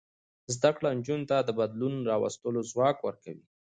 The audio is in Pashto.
زده کړه نجونو ته د بدلون راوستلو ځواک ورکوي.